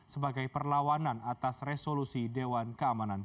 sebagai perlawanan atas resolusi dewan keamanan